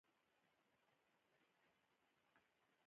د ادب له لارې افکار روزل کیږي.